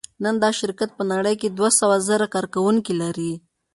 نن دا شرکت په نړۍ کې دوهسوهزره کارکوونکي لري.